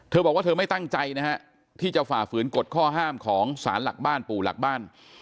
เธอบอกว่าเธอไม่ตั้งใจนะฮะที่จะฝ่าฝืนกฎข้อห้ามของสารหลักบ้านปู่หลักบ้าน